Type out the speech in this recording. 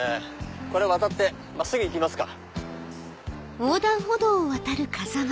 これ渡って真っすぐ行きますか。